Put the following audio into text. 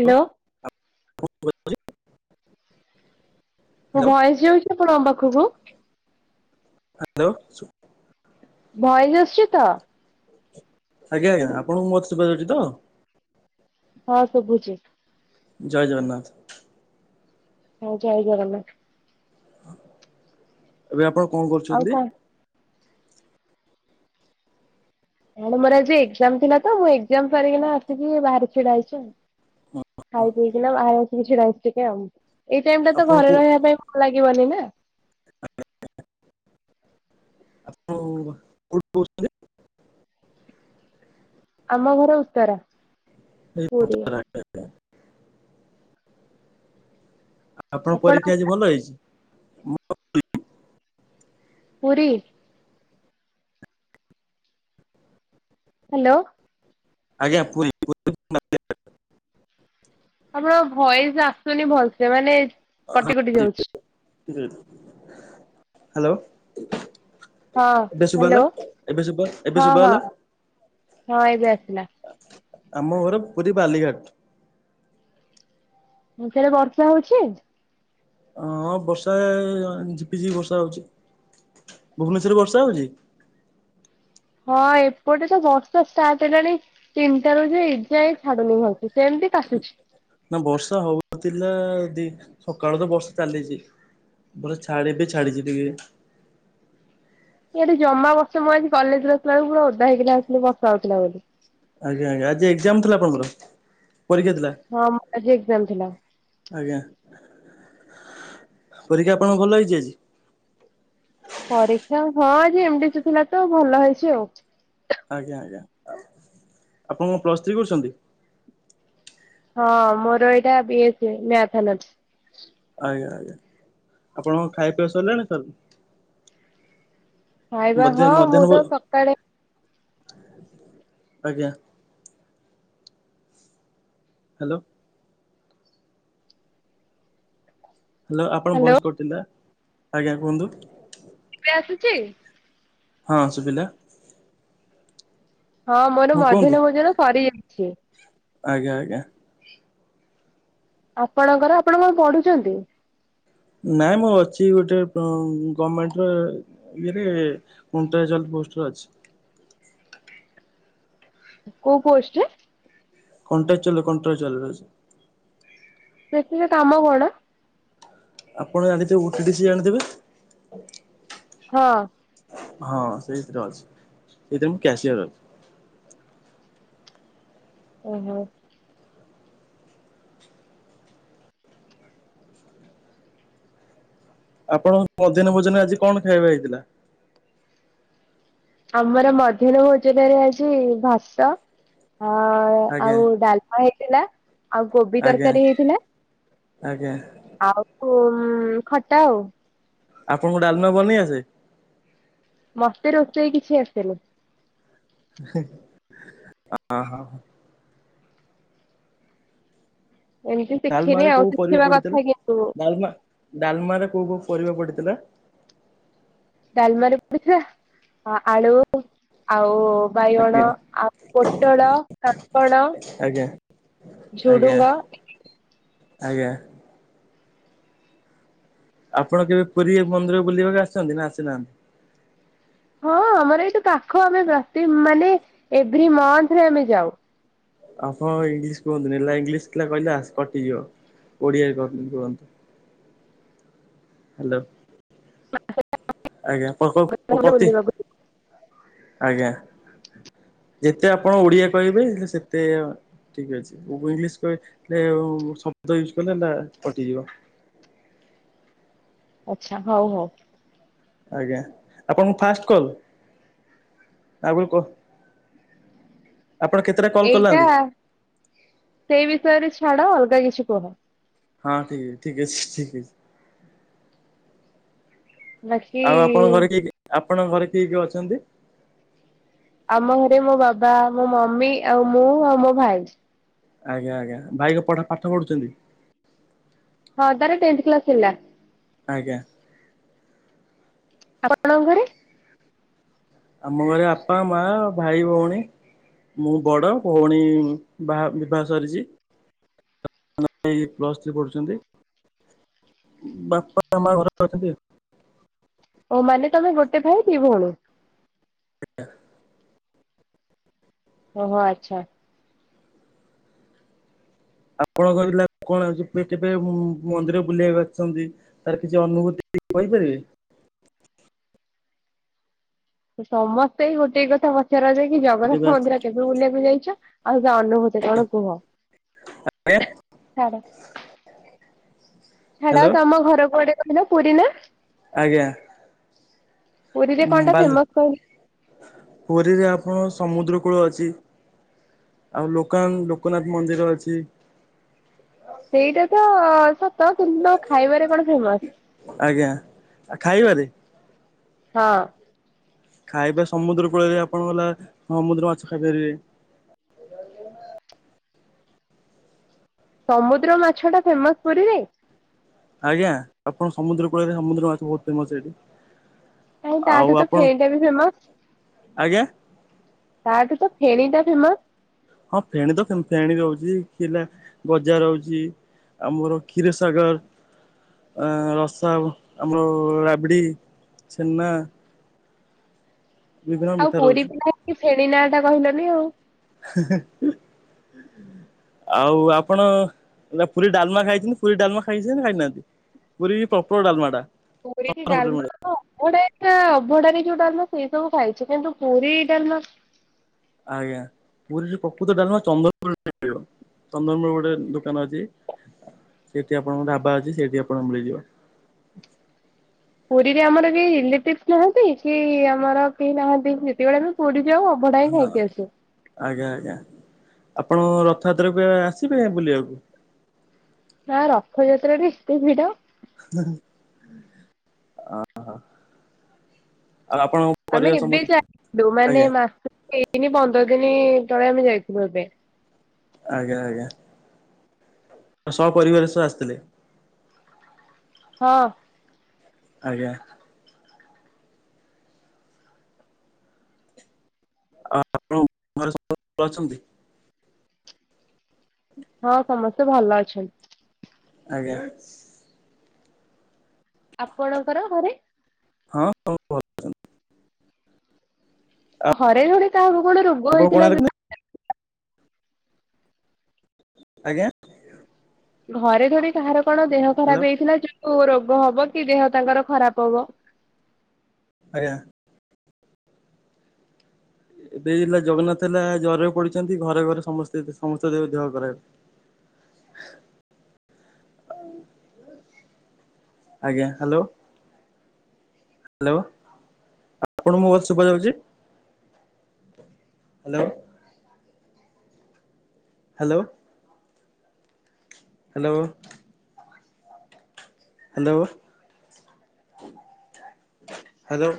Hello. ଆ [unintelligible] ମୋ voice ଯାଉଛି ଆପଣଙ୍କ ପାଖକୁ? ହ୍ୟାଲୋ ଶୁ ଭଏସ ଆସୁଛି ତ? ଆଜ୍ଞା ଆଜ୍ଞା ଆପଣଙ୍କୁ ମୋ କଥା ଶୁଭା ଯାଉଛି ତ? ହଁ ଶୁଭୁଛି। ଜୟ ଜଗନ୍ନାଥ। ହଁ ଜୟ ଜଗନ୍ନାଥ। ଏବେ ଆପଣ କଣ ଆଉ କରୁଛନ୍ତି? କଣ ମୋର ଆଜି ଏକ୍ସାମ ଥିଲା ତ ମୁଁ ଏକ୍ସାମ ସାରିକିନା ଆସିକି ବାହାରି ଛିଡା ହେଇଛି ଆଉ ଖାଇ ପିଇକିନା ବାହାରେ ଆସିକି ଛିଡା ହେଉଛି ଟିକେ ଏଇ ଟାଇମ ଟା ତ ଆପଣ ଘରେ ରହିବା ପାଇଁ ଭଲ ଲାଗିବନି ନା? ଆଜ୍ଛ ଆପଣ କୋଉଠୁ କହୁଥିଲେ? ଆମ ଘର ଉତ୍ତରା ପୁରୀ। ଆଚ୍ଛା ଆଛା। ଆପଣଙ୍କ ଆପଣ ପରୀକ୍ଷା ଆଜି ଭଲ ହେଇଛି। ପୁରୀ। ହ୍ୟାଲୋ। ଆଜ୍ଞା ପୁରୀ ତମର ଭଏସ ଆସୁନି ଭଲସେ ମାନେ କଟି ହଁ କଟି ଯାଉଛି ହ୍ୟାଲୋ। ହଁ ଏବେ ଶୁଭ ହ୍ୟାଲୋ ଗଲା ଏବେ ସୁୁଭା ଗଲା ଏବେ ହଁ ସୁୁଭା ହଁ ଗଲା। ହଁ ଏବେ ଆସିଲା ଆମ ଘର ପୁରୀ ବାଲିଘାଟ। ମୁଁ କହିଲି ସେରେ ବର୍ଷା ହଉଛି। ହଁ ବର୍ଷା ଝିପିଝିପି ବର୍ଷା ହଉଛି ଭୁବନେଶ୍ଵରରେ ବର୍ଷା ହଉଛି? ହଁ ଏପଟେ ତ ବର୍ଷା ଷ୍ଟାର୍ଟ ହେଲାଣି? ତିନିଟାରୁ ଯେ ଏଯାଏ ଛାଡୁନି ସେମିତି କାଚୁଛି ନା ବର୍ଷା ହଉଥିଲା ଦି ସକାଳୁ ତ ବର୍ଷା ଚାଲିଚି। ପୁରା ଛାଡିନି ଛାଡିଚି ଟିକେ। ଇଆଡ଼େ ଜମା ବର୍ଷା ମୁଁ ଆଜି କଲେଜରୁ ଆସିଲା ବେଳକୁ ପୁରା ଓଦା ହେଇକି ଆସିଲି ବର୍ଷା ହଉଥିଲା ବୋଲି। ଆଜ୍ଞା, ଆଜ୍ଞା, ଆଜି ଏକ୍ଜାମ ଥିଲା ଆପଣଙ୍କର ପରୀକ୍ଷା ଥିଲା? ହଁ ମୋର ଆଜି ଏକ୍ଜାମ ଥିଲା। ଆଜ୍ଞା, ପରୀକ୍ଷା ଆପଣଙ୍କ ଭଲ ହେଇଚି ଆଜି? ପରୀକ୍ଷା ହଁ ଆଜି ଏମ୍ ଡିସି ଥିଲା ତ ଭଲ ହେଇଛି ଆଉ। ଆଜ୍ଞା, ଆଜ୍ଞା, ଆପଣ କଣ ପ୍ଲସ୍ ଥ୍ରୀ କରୁଛନ୍ତି? ହଁ ମୋର ଏଇଟା B S A math honours. ଆଜ୍ଞା, ଆଜ୍ଞା, ଆପଣଙ୍କ ଖାଇବା ପିଆ ସରିଲାଣି ସାର୍? ଖାଇବା ମଧ୍ୟା ହଁ ମୁଁ ମଧ୍ୟାହ୍ନ ଭୋ ତ ସକାଳେ ଆଜ୍ଞା। ହାଲୋ। ହାଲୋ ଆପଣ ହ୍ୟାଲୋ ଭଏସ କଟିଲା, ଆଜ୍ଞା କୁହନ୍ତୁ? ଏବେ ଆସୁଚି। ହଁ ସୁୁଭିଲା। ହଁ ମୋର ମଧ୍ୟାହ୍ନ ଭୋଜନ ସରିଯାଇଛି। ଆଜ୍ଞା, ଆଜ୍ଞା। ଆପଣଙ୍କର ଆପଣ କଣ ପଢୁଛନ୍ତି? ନାଇଁ ମୁଁ ଅଛି ଗୋଟେ ମ୍ ଗମେଣ୍ଟରେ ଇଏରେ କଣ୍ଟାଏଜନ ପୋଷ୍ଟରେ ଅଛି। କୋଉ ପୋଷ୍ଟରେ? କଣ୍ଟ୍ରାଚୁଆଲରେ, କଣ୍ଟ୍ରାଚୁଆଲରେ ଅଛି। ସେଥିରେ କାମ କଣ? ଆପଣ ଜାଣିଥିବେ ଗୋଟେ ଡିସ୍ ଜାଣିଥିବେ। ହଁ। ହଁ ସେଇଥିରେ ଅଛି ସେଇଥିରେ ମୁଁ କ୍ୟାସିୟର ଅ ଓହୋ। ଆପଣଙ୍କ ମଧ୍ୟାହ୍ନ ଭୋଜନରେ ଆଜି କଣ ଖାଇବା ହେଇଥିଲା? ଆମର ମଧ୍ୟାହ୍ନ ଭୋଜନରେ ଆଜି ଭାତ ଆଁ ଆଜ୍ଞା ଆଉ ଡା ଆଉ ହେଇଥିଲା ଆଉ କୋବି ଆଜ୍ଞା ତରକାରୀ ହେଇଥିଲା। ଆଜ୍ଞା। [unintelligible] ଖଟା ଆଉ। ଆପଣଙ୍କୁ ଡାଲମା ବନେଇ ଆସେ? ମତେ ରୋଷେଇ କିଛି ଆସେନି। ହେ ଅଁ ହଁ। ଏମିତି ଡାଲମା ଶିଖିନି ରେ ଆଉ କୋଉ ପରିବା ଶିଖିବା ପଡିଥିଲା କଥା କିନ୍ତୁ ଡାଲମା ଡାଲମାରେ କୋଉ କୋଉ ପରିବା ପଡିଥିଲା? ଡାଲମାରେ ପଡିଥିଲା ଆ ଆଳୁ ଆଉ ବାଇଗଣ ଆଜ୍ଞା ଆଉ ପୋଟଳ କାଙ୍କଡ଼। ଆଜ୍ଞା। ଆଜ୍ଞା ଝୁଡୁଙ୍ଗ। ଆଜ୍ଞା। ଆପଣ କେବେ ପୁରୀ ମନ୍ଦିରକୁ ବୁଲିବାକୁ ଆସିଚନ୍ତି ନା ଆସିନାହାନ୍ତି? ହଁ ଆମର ଏଇଠୁ ପାଖ ଆମେ ପ୍ରତି ମାନେ ଏଭ୍ରି ମନ୍ଥ୍ ରେ ଆମେ ଯାଉ। ଆପଣ ଇଂଙ୍ଗଲିସ୍ କୁହନ୍ତୁନି ହେଲା ଇଂଙ୍ଗଲିସ୍ ଥିଲା କହିଲେ ଆସ୍ କଟିଯିବ। ଓଡିଆରେ କହନ୍ତି କୁହନ୍ତୁ ହାଲୋ। ଆଜ୍ଞା [unintelligible] ପ୍ରତି ବୁଲିବାକୁ ଆଜ୍ଞା। [inaudible] ଯେତେ ଆପଣ ଓଡିଆ କହିବେ ହେଲେ ସେତେ ଠିକ୍ ଅଛି ଉ ଇଂଙ୍ଗଲିସ୍ କହି ଲେ ଆଉ ଶବ୍ଦ ୟୁଜ୍ କଲେ ନା କଟିଯିବ। ଆଛା ହଉ ହଉ। ଆଜ୍ଞା ଆପଣଙ୍କୁ ଫାଷ୍ଟ କଲ୍ ଆଉ କ ଆପଣ କେତେଟା କଲ୍ ଏଇଟା କଲାନ୍ତି? ସେଇ ବିଷୟରେ ଛାଡ ଅଲଗା କିଛି କୁହ। ହଁ ଠିକ୍ ଠିକ୍ ଅଛି ଠିକି। ବାକି ଆଉ ଆପଣଙ୍କ ଘରେ କିଏ କି ଆପଣଙ୍କ ଘରେ କିଏ କିଏ ଅଛନ୍ତି? ଆମ ଘରେ ମୋ ବାବା, ମୋ ମମି, ଆଉ ମୁଁ ଆଉ ମୋ ଭାଇ। ଆଜ୍ଞା ଆଜ୍ଞା ଭାଇ କଣ ପଢା ପାଠ ପଢୁଛନ୍ତି। ହଁ ତାର ଟେନ୍ଥ କ୍ଲାସ୍ ହେଲା। ଆଜ୍ଞା। ଆପଣଙ୍କ ଘରେ। ଆମ ଘରେ ଆପା, ମା, ଭାଇ, ଭଉଣୀ। ମୁଁ ବଡ ଭଉଣୀ ବା ବିବାହ ସରିଚି। [inaudible] ପ୍ଲସଥ୍ରୀ ପଢ଼ୁଛନ୍ତି ବାପା ମାଆ ଘରେ ଅଛନ୍ତି ଆଉ। ଓ ମାନେ ତମେ ଗୋଟେ ଭାଇ ଦି ଭଉଣୀ। ଆଜ୍ଞା। ଓହୋ ଆଚ୍ଛା। ଆପଣଙ୍କ ଜିଲ୍ଲା କଣ ଯିବେ କେବେ ମନ୍ଦିର ବୁଲିବାକୁ ଆସିଛନ୍ତି। ତାର କିଛି ଅନୁଭୂତି କହିପାରିବେ? ସମସ୍ତେ ଏଇ ଗୋଟେ କଥା ପଚାର ଯାଏ କି ଜଗନ୍ନାଥ କେବେ ଆସି ମନ୍ଦିର କେବେ ବୁଲିବାକୁ ଯାଇଚ ଆଉ ସେ ଅନୁଭୂତି। ସେ କଣ କୁହ ଛାଡ଼। [unintelligible] ଛାଡ ତମ ଘର କୁଆଡେ କହିଲ ପୁରୀ ନା? ଆଜ୍ଞା ପୁରୀ ରେ କଣ ଟା ବାଲି ଫେମସ କହିଲ? ପୁରୀରେ ଆପଣଙ୍କର ସମୁଦ୍ରକୂଳ ଅଛି। ଆଉ ଲୋକାନ ଲୋକନାଥ ମନ୍ଦିର ଅଛି। ସେଇଟା ତ ସତ କିନ୍ତୁ ଖାଇବାରେ କଣ ଫେମସ୍? ଆଜ୍ଞା ଆ ଖାଇବାରେ? ହଁ। ଖାଇବା ସମୁଦ୍ର କୂଳରେ ଆପଣଙ୍କ ହେଲା ସମୁଦ୍ର ମାଛ ଖାଇପାରିବେ। ସମୁଦ୍ର ମାଛଟା ଫେମସ ପୁରୀରେ? ଆଜ୍ଞା ଆପଣ ସମୁଦ୍ର କୂଳରେ ସମୁଦ୍ର ମାଛ ବହୁତ ଫେମସ ସେଇଠି। କାହିଁ ତାଠୁ ତ ଫେଣୀଟା ବି ଫେମସ। ଆଜ୍ଞା ତା ଠୁ ତ ଫେଣି ଟା ଫେମସ। ହଁ ଫେଣୀ ତ ଫେଣୀ ରହୁଛି ଥିଲା ଗଜା ରହୁଚି। ଆମର କ୍ଷୀରସାଗର। ଅଁ ରସା ଆମର ରାବିଡ଼ି ଛେନା ବିଭିନ୍ନ ଆଉ ମିଠା ପୁରୀ ରହୁଛି ପିଲା ହେଇକି ଫେଣୀ ନା ଟା କହିଲନି ଆଉ। ହ [inaudible] ଆଉ ଆପଣ ନା ପୁରୀ, ଡାଲମା ଖାଇଚନ୍ତି ପୁରୀ, ଡାଲମା ଖାଇଚନ୍ତି ନା ଖାଇନାହାନ୍ତି? ପୁରୀ ପ୍ରପର ଡାଲମା ଟା। ପୁରୀ ରେ ବ୍ରହ୍ମପୁରରେ ଡାଲମା ମିଳେ କଣ? କୋଉଟା ଏଟା ଅଭଡାରେ ଯୋଉ ଡାଲମା ସେଇ ସବୁ ଖାଇଚି କିନ୍ତୁ ପୁରୀ ଡାଲମା ଆଜ୍ଞା ପୁରୀ ରେ ପ୍ରକୃତ ଡାଲମା ଚନ୍ଦନ [unintelligible] ଖାଇପାରିବ। ଚନ୍ଦନର ଗୋଟେ ଦୋକାନ ଅଛି ସେଠି ଆପଣଙ୍କ ଢାବା ଅଛି ସେଇଠି ଆପଣଙ୍କୁ ମିଳିଯିବ। ପୁରୀରେ ଆମର କେହି ରିଲେଟିଭସ ନାହାନ୍ତି କି ଆମର କେହି ନାହାନ୍ତି ସେତେବେଳେ ଆମେ ପୁରୀ ଯାଉ ଆଉ ଅଭଡା ବି ଖାଇକି ଆସୁ। ଆଜ୍ଞା ଆଜ୍ଞା ଆପଣ ରଥଯାତ୍ରାକୁ ଆସିବେ ବୁଲିବାକୁ? ନା ରଥଯାତ୍ରାରେ ଏତେ ଭିଡ। ଅ ହ ଆଉ ଆପଣଙ୍କ ଆମେ ପରିବାର ଏବେ ସମସ୍ତେ ଯାଇଥିଲୁ ମାନେ ଆଜ୍ଞା ମାସେ ହେଇନି ପନ୍ଦର ଦିନ ତଳେ ଆମେ ଯାଇଥିଲୁ ଏବେ ଆଜ୍ଞା ଆଜ୍ଞା। ତ ସହ ପରିବାର ସହ ଆସିଥିଲେ। ହଁ। ଆଜ୍ଞା। ଆ ଆପଣଙ୍କ ଘରେ ସବୁ ଭଲ ଅଛନ୍ତି? ହଁ ସମସ୍ତେ ଭଲ ଅଛନ୍ତି। ଆଜ୍ଞା। ଆପଣଙ୍କର ଘରେ? ହଁ ସବୁ ଭଲ ଅଛନ୍ତି। ଘରେ ଘରେ କାହାକୁ କଣ ରୋଗ ଆପଣ ହେଇଥିଲା କୋଣାର୍କ ଯ ଆଜ୍ଞା। ଘରେ ଘରେ କାହାର କଣ ଦେହ ଆଜ୍ଞା। ଖରାପ ହେଇଥିଲା ଯୋଉ ରୋଗ ହବ କି ଦେହ ତାଙ୍କର ଖରାପ ହବ ଆଜ୍ଞା। ଏବେ ହେଲା ଜଗନ୍ନାଥ ହେଲା ଜ୍ଵରରେ ପଡିଛନ୍ତି ଘରେ ଘରେ ସମସ୍ତେ ଏବେ ସମସ୍ତଙ୍କ ଦେହ ଖରାପ। ଆଜ୍ଞା ହ୍ୟାଲୋ। ଆପଣଙ୍କୁ ମୋ କଥା ଶୁଭାଯାଉଛି? Hello hello hello hello hello